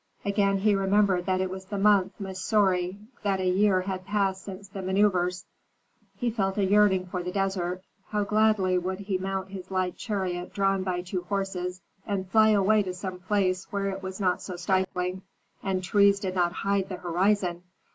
Again he remembered that it was the month Mesori, that a year had passed since the manœuvres; he felt a yearning for the desert. How gladly would he mount his light chariot drawn by two horses, and fly away to some place where it was not so stifling, and trees did not hide the horizon!